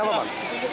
pak berapa pak